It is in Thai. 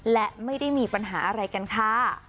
และไม่ได้มีปัญหาอะไรกันค่ะ